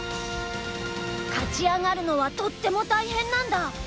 勝ち上がるのはとっても大変なんだ！